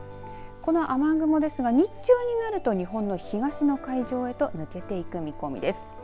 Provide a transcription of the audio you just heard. この雨雲ですが、日中になると日本の東の海上へと抜けていく見込みです。